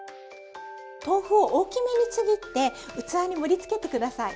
豆腐を大きめにちぎって器に盛りつけて下さい。